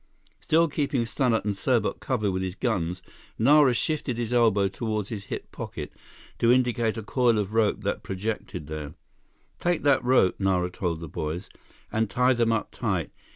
Still keeping Stannart and Serbot covered with his guns, Nara shifted his elbow toward his hip pocket to indicate a coil of rope that projected there. "Take that rope," Nara told the boys, "and tie them up tight.